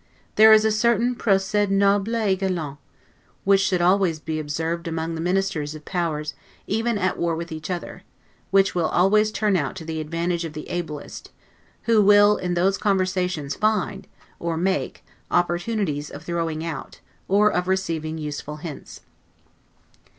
There is a certain 'procede noble et galant', which should always be observed among the ministers of powers even at war with each other, which will always turn out to the advantage of the ablest, who will in those conversations find, or make, opportunities of throwing out, or of receiving useful hints.